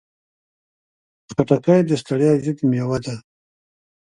خټکی د ستړیا ضد مېوه ده.